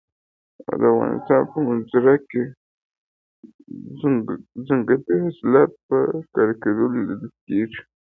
د افغانستان په منظره کې ځنګلي حاصلات په ښکاره لیدل کېږي.